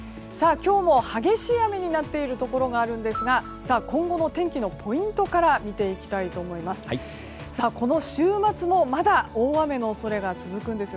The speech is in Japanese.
今日も激しい雨になっているところがあるんですが今後の天気のポイントから見ていきたいと思います。